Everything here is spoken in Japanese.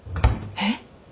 えっ？